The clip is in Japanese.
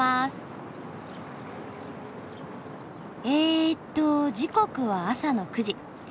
えっと時刻は朝の９時。